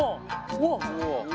うわっ！